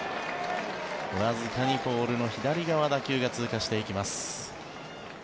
わずかにポールの左側打球が通過していきます。